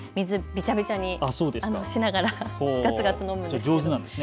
びちゃびちゃにしながらガツガツ飲むんです。